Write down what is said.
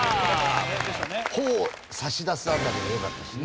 「ほ」を差し出す辺りがよかったしね。